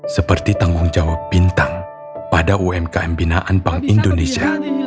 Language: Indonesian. seperti tanggung jawab bintang pada umkm binaan bank indonesia